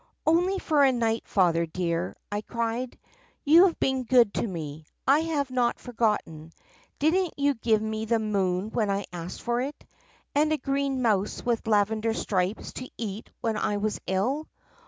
" 'Only for a night, Father dear!' I cried. 'You have been good to me. I have not forgotten. Did n't you give me the moon when I asked for it? And a green mouse with lavender stripes to eat when I was ill?